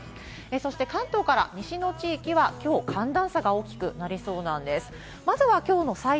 そして関東から西の地域は今日、寒暖差が大きくなりそうなんです。